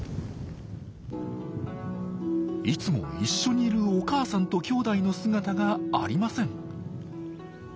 いつも一緒にいるお母さんときょうだいの姿がありません。